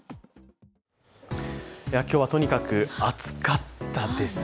今日はとにかく暑かったですね。